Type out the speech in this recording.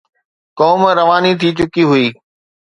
قوم رواني ٿي چڪي هئي.